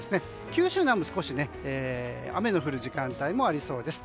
九州南部は少し雨の降る時間帯もありそうです。